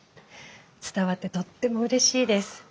伝わってとってもうれしいです。